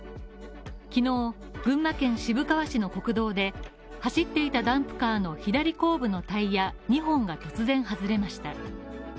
昨日、群馬県渋川市の国道で走っていたダンプカーの左後部のタイヤ２本が突然外れました。